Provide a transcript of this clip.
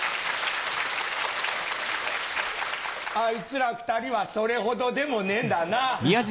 あいつら２人はそれほどでもねえんだな。